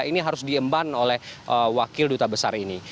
ini harus diemban oleh wakil duta besar ini